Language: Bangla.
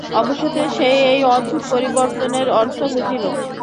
অবশেষে সে এই অদ্ভুত পরিবর্তনের অর্থ বুঝিল।